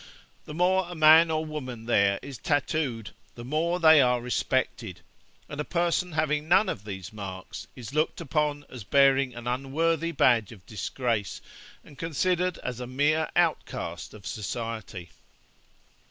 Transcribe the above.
The more a man or woman there is tattooed, the more they are respected; and a person having none of these marks is looked upon as bearing an unworthy badge of disgrace, and considered as a mere outcast of society.'